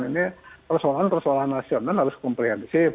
ini persoalan persoalan nasional harus komprehensif